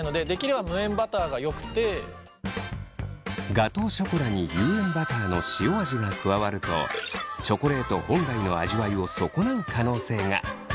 ガトーショコラに有塩バターの塩味が加わるとチョコレート本来の味わいを損なう可能性が。